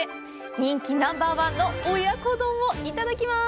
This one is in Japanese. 人気ナンバーワンの親子丼をいただきます。